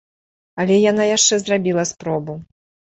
Але яна яшчэ зрабіла спробу.